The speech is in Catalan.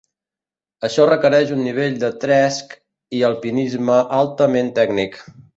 Això requereix un nivell de tresc i alpinisme altament tècnic.